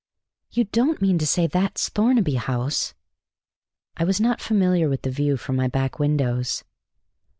"You don't mean to say that's Thornaby House?" I was not familiar with the view from my back windows.